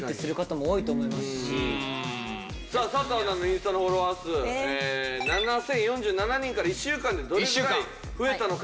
さあ佐藤アナのインスタのフォロワー数７０４７人から１週間でどれぐらい増えたのか？